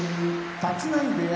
立浪部屋